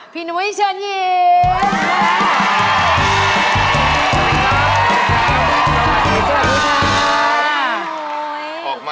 พี่น้วยเชิญยิง